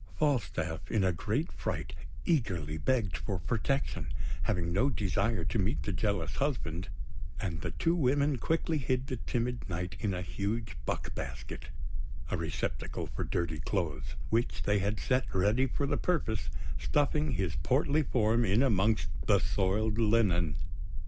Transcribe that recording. Falstaff, in a great fright, eagerly begged for protection, having no desire to meet the jealous husband; and the two women quickly hid the timid Knight in a huge buck basket a receptacle for dirty clothes which they had set ready for the purpose, stuffing his portly form in amongst the soiled linen.